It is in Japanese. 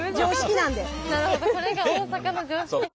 なるほどそれが大阪の常識。